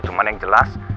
cuman yang jelas